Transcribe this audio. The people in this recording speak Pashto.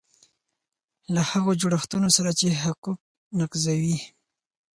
له هغو جوړښتونو سره چې حقوق نقضوي.